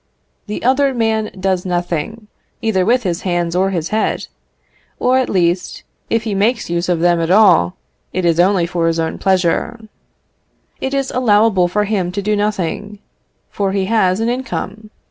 The other man does nothing, either with his hands or his head; or at least, if he makes use of them at all, it is only for his own pleasure; it is allowable for him to do nothing, for he has an income.